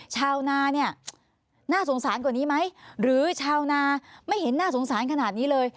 ชาวนาเนี่ยน่าสงสารกว่านี้ไหมหรือชาวนาไม่เห็นน่าสงสารขนาดนี้เลย